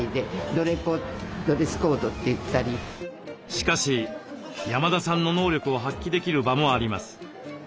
しかし山田さんの能力を発揮できる場もあります。